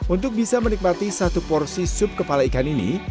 untuk bisa menikmati satu porsi sup kepala ikan ini